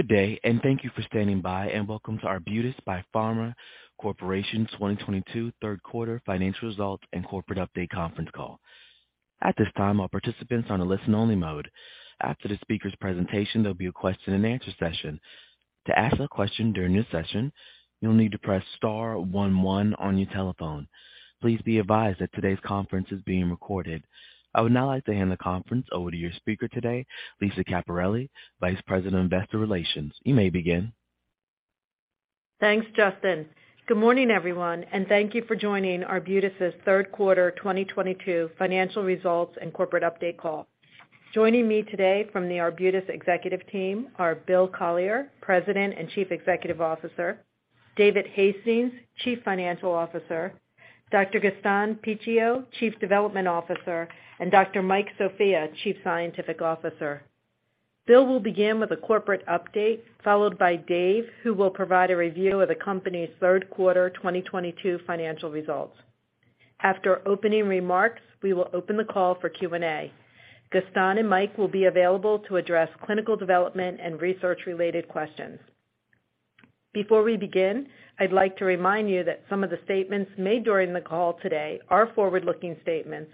Good day, and thank you for standing by, and welcome to Arbutus Biopharma Corporation 2022 third quarter financial results and corporate update conference call. At this time, all participants are on a listen only mode. After the speaker's presentation, there'll be a question and answer session. To ask a question during this session, you'll need to press star one one on your telephone. Please be advised that today's conference is being recorded. I would now like to hand the conference over to your speaker today, Lisa Caperelli, Vice President of Investor Relations. You may begin. Thanks, Justin. Good morning, everyone, and thank you for joining Arbutus' third quarter 2022 financial results and corporate update call. Joining me today from the Arbutus executive team are Bill Collier, President and Chief Executive Officer; David Hastings, Chief Financial Officer; Dr. Gaston Picchio, Chief Development Officer; and Dr. Mike Sofia, Chief Scientific Officer. Bill will begin with a corporate update, followed by Dave, who will provide a review of the company's third quarter 2022 financial results. After opening remarks, we will open the call for Q&A. Gaston and Mike will be available to address clinical development and research-related questions. Before we begin, I'd like to remind you that some of the statements made during the call today are forward-looking statements,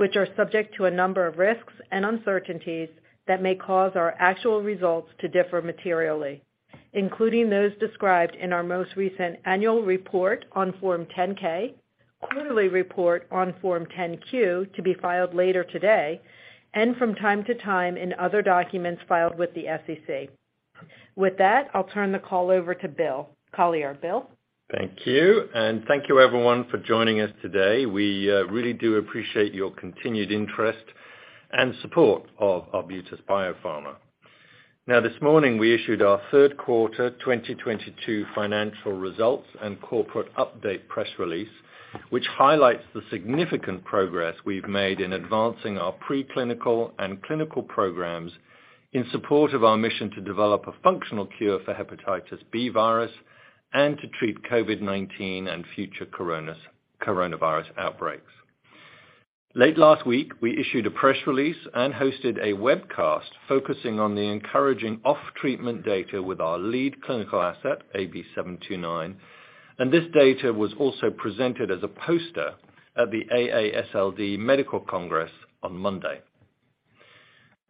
which are subject to a number of risks and uncertainties that may cause our actual results to differ materially, including those described in our most recent annual report on Form 10-K, quarterly report on Form 10-Q to be filed later today, and from time to time in other documents filed with the SEC. With that, I'll turn the call over to Bill Collier. Bill? Thank you, and thank you everyone for joining us today. We really do appreciate your continued interest and support of Arbutus Biopharma. Now, this morning, we issued our third quarter 2022 financial results and corporate update press release, which highlights the significant progress we've made in advancing our pre-clinical and clinical programs in support of our mission to develop a functional cure for hepatitis B virus and to treat COVID-19 and future coronavirus outbreaks. Late last week, we issued a press release and hosted a webcast focusing on the encouraging off treatment data with our lead clinical asset, AB-729, and this data was also presented as a poster at the AASLD Medical Congress on Monday.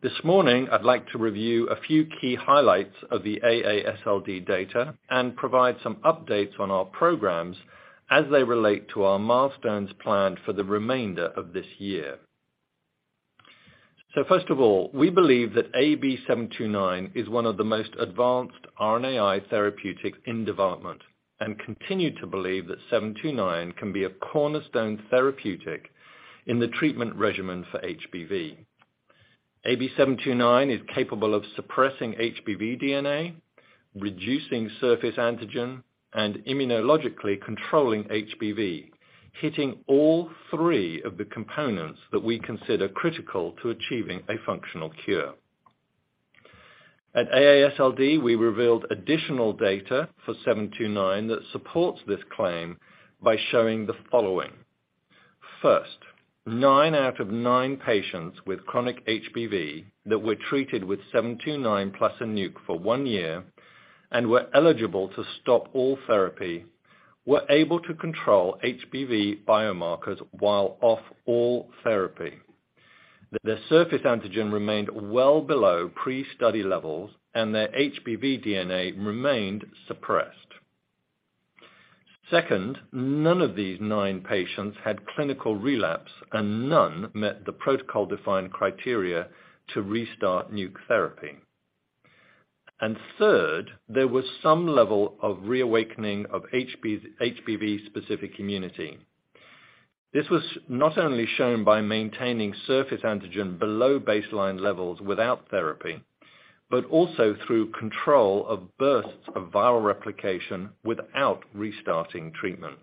This morning, I'd like to review a few key highlights of the AASLD data and provide some updates on our programs as they relate to our milestones planned for the remainder of this year. First of all, we believe that AB-729 is one of the most advanced RNAi therapeutics in development and continue to believe that 729 can be a cornerstone therapeutic in the treatment regimen for HBV. AB-729 is capable of suppressing HBV DNA, reducing surface antigen, and immunologically controlling HBV, hitting all three of the components that we consider critical to achieving a functional cure. At AASLD, we revealed additional data for 729 that supports this claim by showing the following. First, nine out of nine patients with chronic HBV that were treated with 729 plus a NUC for one year and were eligible to stop all therapy, were able to control HBV biomarkers while off all therapy. The surface antigen remained well below pre-study levels, and their HBV DNA remained suppressed. Second, none of these nine patients had clinical relapse, and none met the protocol-defined criteria to restart NUC therapy. Third, there was some level of reawakening of HBV specific immunity. This was not only shown by maintaining surface antigen below baseline levels without therapy, but also through control of bursts of viral replication without restarting treatment.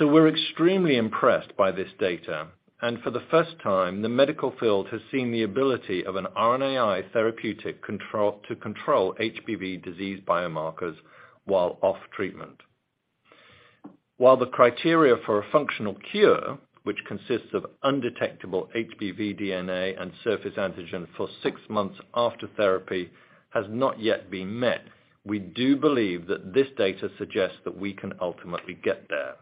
We're extremely impressed by this data, and for the first time, the medical field has seen the ability of an RNAi therapeutic to control HBV disease biomarkers while off treatment. While the criteria for a functional cure, which consists of undetectable HBV DNA and surface antigen for six months after therapy, has not yet been met, we do believe that this data suggests that we can ultimately get there.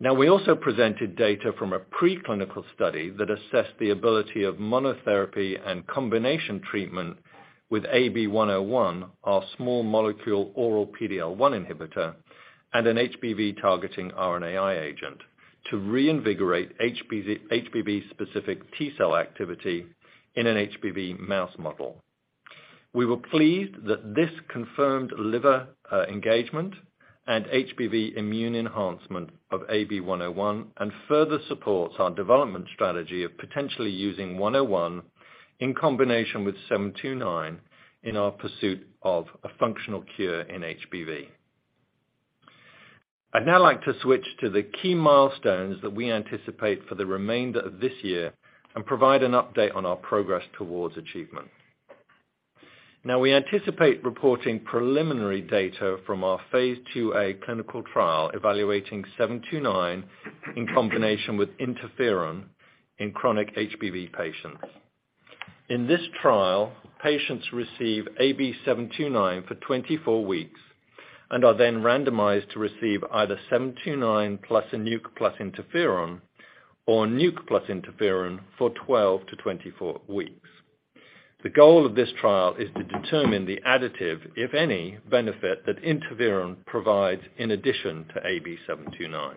Now we also presented data from a preclinical study that assessed the ability of monotherapy and combination treatment with AB-101, our small molecule oral PD-L1 inhibitor and an HBV targeting RNAi agent to reinvigorate HBV-specific T-cell activity in an HBV mouse model. We were pleased that this confirmed liver engagement and HBV immune enhancement of AB-101 and further supports our development strategy of potentially using 101 in combination with 729 in our pursuit of a functional cure in HBV. I'd now like to switch to the key milestones that we anticipate for the remainder of this year and provide an update on our progress towards achievement. Now we anticipate reporting preliminary data from our phase II-A clinical trial evaluating AB-729 in combination with interferon in chronic HBV patients. In this trial, patients receive AB-729 for 24 weeks and are then randomized to receive either AB-729 plus a NUC plus interferon or NUC plus interferon for 12-24 weeks. The goal of this trial is to determine the additive, if any, benefit that interferon provides in addition to AB-729.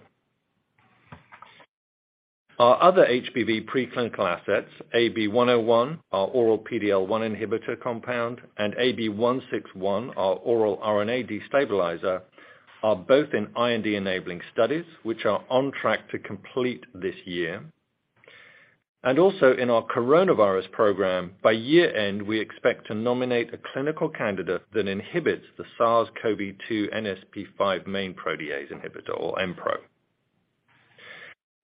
Our other HBV preclinical assets, AB-101, our oral PD-L1 inhibitor compound, and AB-161, our oral RNA destabilizer, are both in IND-enabling studies, which are on track to complete this year. Also in our coronavirus program, by year-end, we expect to nominate a clinical candidate that inhibits the SARS-CoV-2 Nsp5 main protease, or Mpro.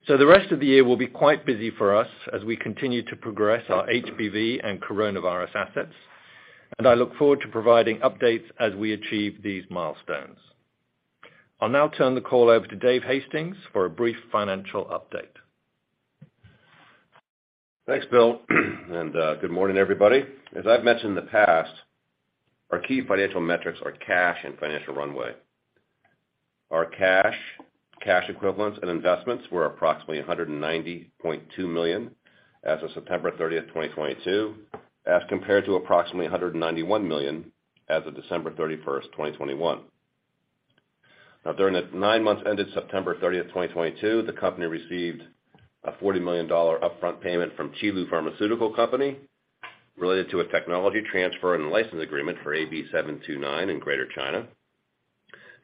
The rest of the year will be quite busy for us as we continue to progress our HBV and coronavirus assets, and I look forward to providing updates as we achieve these milestones. I'll now turn the call over to David Hastings for a brief financial update. Thanks, Bill. Good morning, everybody. As I've mentioned in the past, our key financial metrics are cash and financial runway. Our cash equivalents and investments were approximately $190.2 million as of September 30th, 2022, as compared to approximately $191 million as of December 31st, 2021. Now, during the nine months ended September 30th, 2022, the company received a $40 million upfront payment from Qilu Pharmaceutical Company related to a technology transfer and license agreement for AB-729 in Greater China.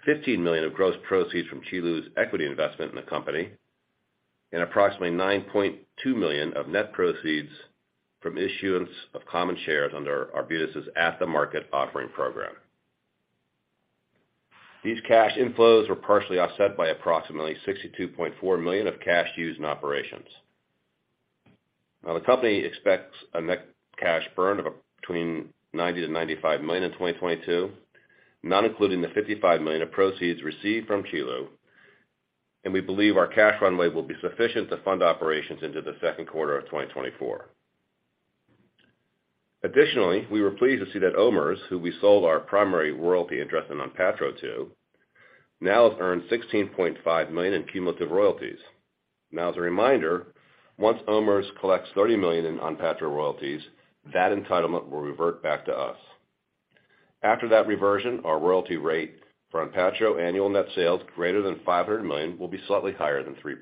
$15 million of gross proceeds from Qilu's equity investment in the company, and approximately $9.2 million of net proceeds from issuance of common shares under Arbutus' at-the-market offering program. These cash inflows were partially offset by approximately $62.4 million of cash used in operations. Now the company expects a net cash burn of between $90 million-$95 million in 2022, not including the $55 million of proceeds received from Qilu, and we believe our cash runway will be sufficient to fund operations into the second quarter of 2024. Additionally, we were pleased to see that OMERS, who we sold our primary royalty interest in Onpattro to, now has earned $16.5 million in cumulative royalties. Now as a reminder, once OMERS collects $30 million in Onpattro royalties, that entitlement will revert back to us. After that reversion, our royalty rate for Onpattro annual net sales greater than $500 million will be slightly higher than 3%.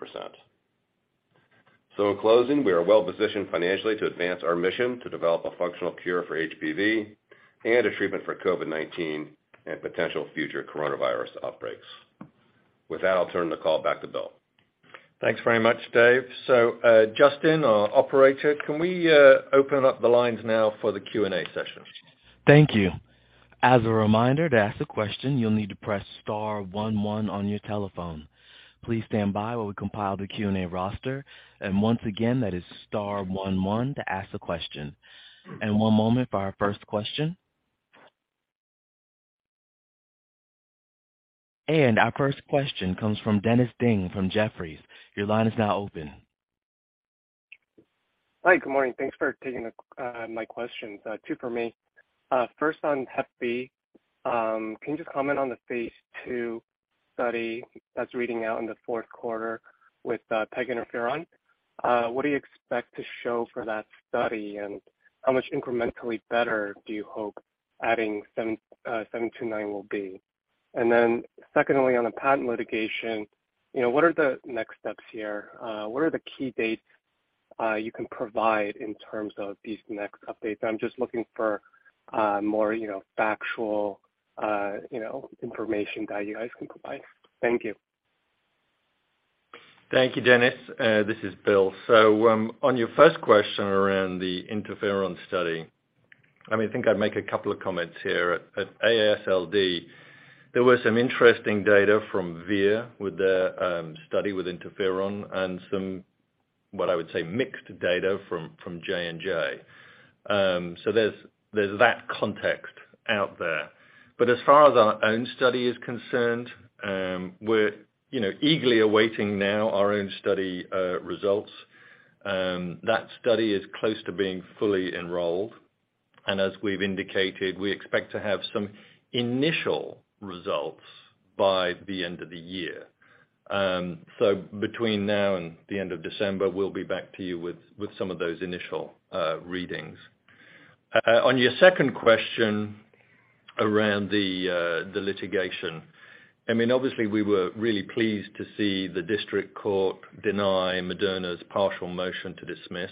In closing, we are well positioned financially to advance our mission to develop a functional cure for HBV and a treatment for COVID-19 and potential future coronavirus outbreaks. With that, I'll turn the call back to Bill. Thanks very much, Dave. Justin, our operator, can we open up the lines now for the Q&A session? Thank you. As a reminder, to ask a question, you'll need to press star one one on your telephone. Please stand by while we compile the Q&A roster. Once again, that is star one one to ask the question. One moment for our first question. Our first question comes from Dennis Ding from Jefferies. Your line is now open. Hi. Good morning. Thanks for taking my questions. Two for me. First on hep B. Can you just comment on the phase II study that's reading out in the fourth quarter with pegylated interferon? What do you expect to show for that study, and how much incrementally better do you hope adding 729 will be? Secondly, on the patent litigation, you know, what are the next steps here? What are the key dates you can provide in terms of these next updates? I'm just looking for more, you know, factual, you know, information that you guys can provide. Thank you. Thank you, Dennis. This is Bill. On your first question around the interferon study, I mean, I think I'd make a couple of comments here. At AASLD, there were some interesting data from Vir with their study with interferon and some, what I would say, mixed data from J&J. There's that context out there. As far as our own study is concerned, we're, you know, eagerly awaiting now our own study results. That study is close to being fully enrolled. As we've indicated, we expect to have some initial results by the end of the year. Between now and the end of December, we'll be back to you with some of those initial readings. On your second question around the litigation, I mean, obviously we were really pleased to see the district court deny Moderna's partial motion to dismiss.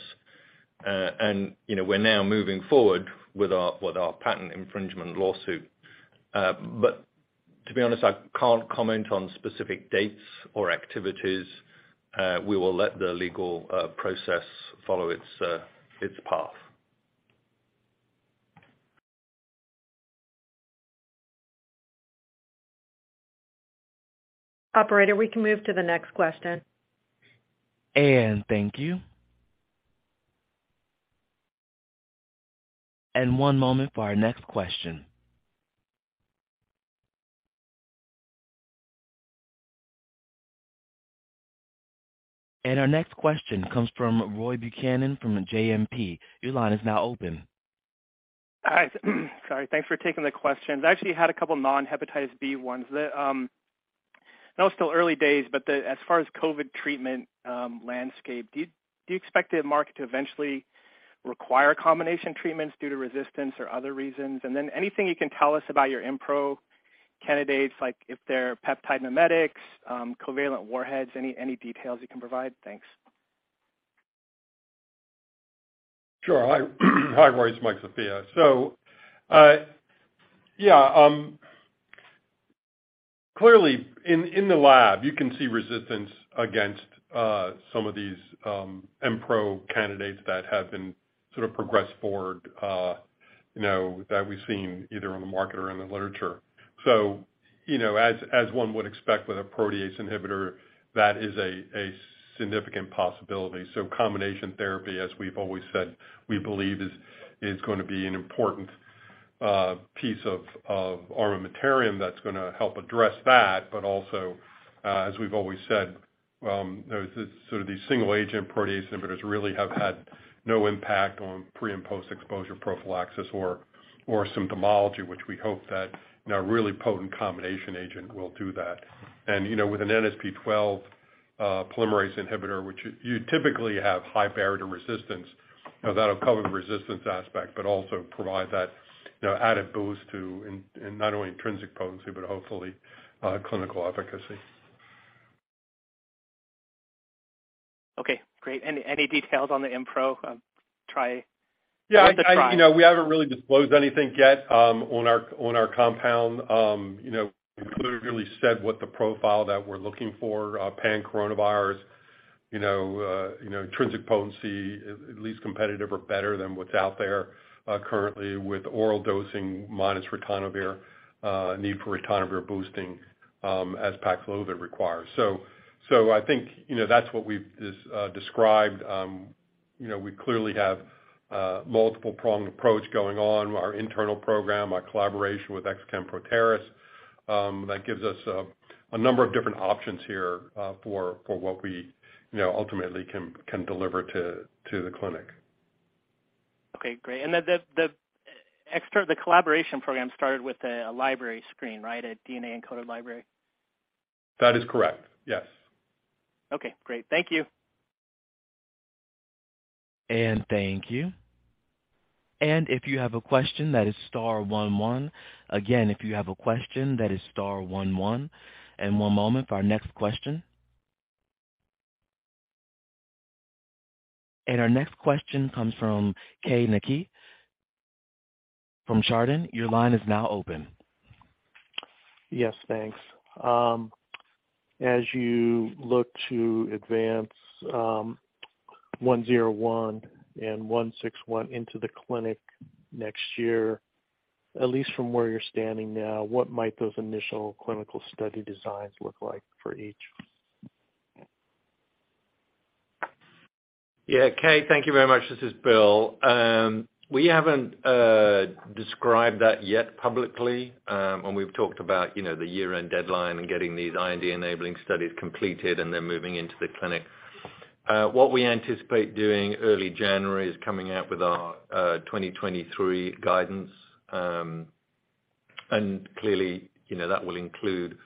You know, we're now moving forward with our patent infringement lawsuit. To be honest, I can't comment on specific dates or activities. We will let the legal process follow its path. Operator, we can move to the next question. Thank you. One moment for our next question. Our next question comes from Roy Buchanan from JMP. Your line is now open. Hi. Sorry. Thanks for taking the questions. I actually had a couple non-Hepatitis B ones. The, I know it's still early days, but as far as COVID treatment landscape, do you expect the market to eventually require combination treatments due to resistance or other reasons? And then anything you can tell us about your Mpro candidates, like if they're peptide mimetics, covalent warheads, any details you can provide? Thanks. Sure. Hi. Hi, Roy. It's Mike Sofia. Yeah, clearly in the lab, you can see resistance against some of these Mpro candidates that have been sort of progressed forward, you know, that we've seen either on the market or in the literature. As one would expect with a protease inhibitor, that is a significant possibility. Combination therapy, as we've always said, we believe is gonna be an important piece of our armamentarium that's gonna help address that. But also, as we've always said, you know, sort of these single agent protease inhibitors really have had no impact on pre and post-exposure prophylaxis or symptomology, which we hope that, you know, a really potent combination agent will do that. You know, with an Nsp12 polymerase inhibitor, which you typically have high barrier to resistance, you know, that'll cover the resistance aspect, but also provide that, you know, added boost to in not only intrinsic potency but hopefully, clinical efficacy. Okay, great. Any details on the Mpro trial? Yeah. The trial. You know, we haven't really disclosed anything yet on our compound. You know, we clearly said what the profile that we're looking for, pan-coronavirus, you know, intrinsic potency, at least competitive or better than what's out there, currently with oral dosing minus ritonavir, need for ritonavir boosting, as Paxlovid requires. I think, you know, that's what we've described. You know, we clearly have a multiple pronged approach going on, our internal program, our collaboration with X-Chem, that gives us a number of different options here, for what we, you know, ultimately can deliver to the clinic. Okay, great. The collaboration program started with a library screen, right? A DNA-encoded library. That is correct. Yes. Okay, great. Thank you. Thank you. If you have a question, that is star one one. Again, if you have a question, that is star one one, and one moment for our next question. Our next question comes from Keay Nakae from Chardan. Your line is now open. Yes, thanks. As you look to advance AB-101 and AB-161 into the clinic next year, at least from where you're standing now, what might those initial clinical study designs look like for each? Yeah. Keay, thank you very much. This is Bill. We haven't described that yet publicly, and we've talked about, you know, the year-end deadline and getting these IND-enabling studies completed and then moving into the clinic. What we anticipate doing early January is coming out with our 2023 guidance. Clearly, you know, that will include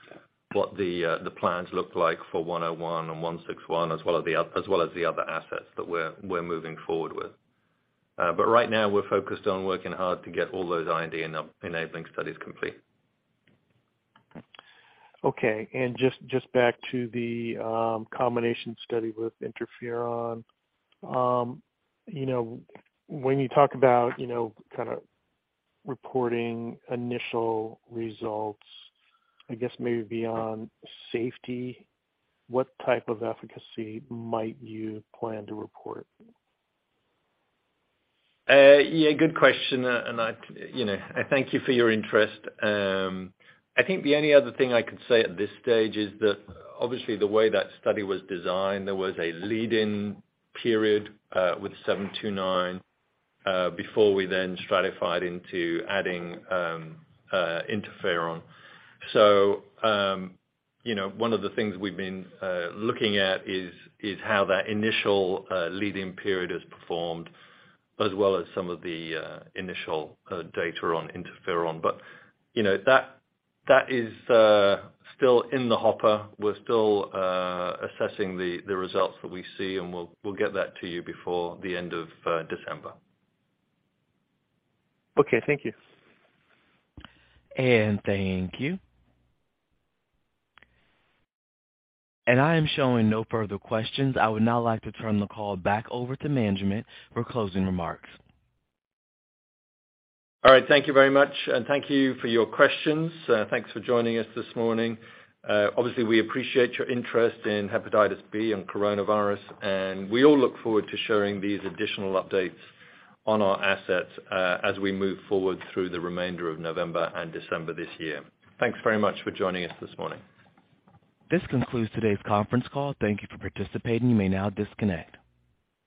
what the plans look like for 101 and 161 as well as the other assets that we're moving forward with. Right now we're focused on working hard to get all those IND-enabling studies complete. Okay. Just back to the combination study with interferon. You know, when you talk about, you know, kinda reporting initial results, I guess maybe beyond safety, what type of efficacy might you plan to report? Yeah, good question. You know, I thank you for your interest. I think the only other thing I could say at this stage is that obviously the way that study was designed, there was a lead-in period with 729 before we then stratified into adding interferon. You know, one of the things we've been looking at is how that initial lead-in period has performed as well as some of the initial data on interferon. You know, that is still in the hopper. We're still assessing the results that we see, and we'll get that to you before the end of December. Okay. Thank you. Thank you. I am showing no further questions. I would now like to turn the call back over to management for closing remarks. All right. Thank you very much, and thank you for your questions. Thanks for joining us this morning. Obviously, we appreciate your interest in hepatitis B and coronavirus, and we all look forward to sharing these additional updates on our assets, as we move forward through the remainder of November and December this year. Thanks very much for joining us this morning. This concludes today's conference call. Thank you for participating. You may now disconnect.